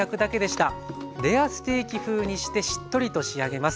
レアステーキ風にしてしっとりと仕上げます。